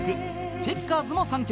［チェッカーズも３曲。